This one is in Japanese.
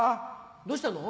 どうしたの？